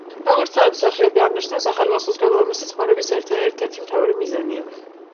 როგორც თავად მსახიობი აღნიშნავს, ახალი პასუხისმგებლობა მისი ცხოვრების ერთერთი მთავარი მიზანია.